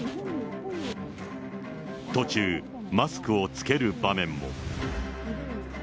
途中、マスクを着ける場面も。